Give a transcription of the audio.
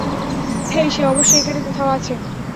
হেই, সে অবশ্যই এখানে কোথাও আছে।